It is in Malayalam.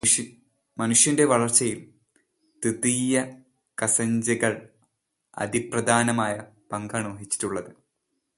മനുഷ്യന്റെ വളർച്ചയിൽ ദ്വിതീയകസംജ്ഞകൾ അതിപ്രധാനമായ പങ്കാണ് വഹിച്ചിട്ടുള്ളത്.